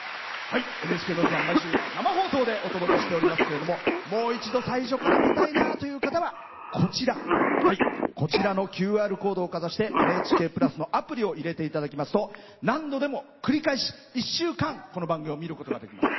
「ＮＨＫのど自慢」毎週生放送でお届けしておりますけれどももう一度、最初から見たいなという方はこちらのＱＲコードをかざして「ＮＨＫプラス」のアプリを入れていただきますと何度でも繰り返し、１週間見ることができます。